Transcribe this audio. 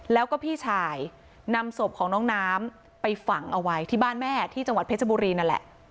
แล้วก็พี่ชายนำศพของน้องน้ำไปฝังเอาไว้ที่บ้านแม่ที่จังหวัดเพชรบุรีนั่นแหละ